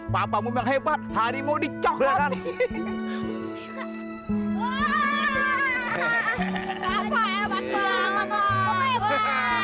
bapakmu memang hebat hari mau dicot accompany